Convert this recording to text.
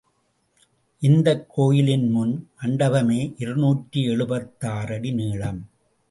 இந்தக் கோயிலின் முன் மண்டபமே இருநூற்று எழுபத்தாறு அடி நீளம்.